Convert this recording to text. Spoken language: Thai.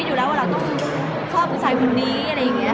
อยู่แล้วว่าเราต้องชอบผู้ชายคนนี้อะไรอย่างนี้